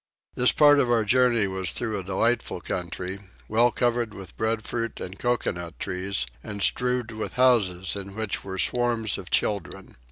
This part of our journey was through a delightful country, well covered with breadfruit and coconut trees, and strewed with houses in which were swarms of children.